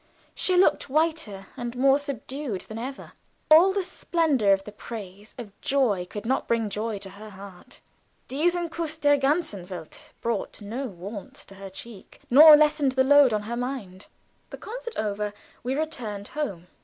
She looked whiter and more subdued than ever. All the splendor of the praise of "joy" could not bring joy to her heart "Diesen Kuss der ganzen Welt" brought no warmth to her cheek, nor lessened the load on her breast. The concert over, we returned home.